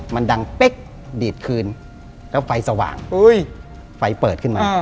มันดังเป๊กดีดคืนแล้วไฟสว่างไฟเปิดขึ้นมา